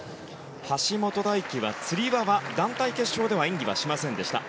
橋本大輝はつり輪は団体決勝では演技はしませんでした。